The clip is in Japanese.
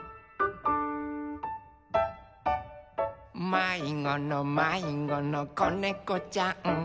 「まいごのまいごのこねこちゃん」